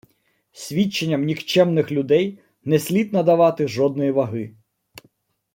Свідченням нікчемних людей не слід надавати жодної ваги.